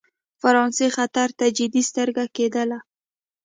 فرانسې خطر ته جدي سترګه کېدل.